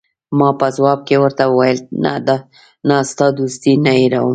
ما په ځواب کې ورته وویل: نه، ستا دوستي نه هیروم.